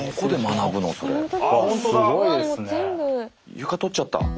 床取っちゃった。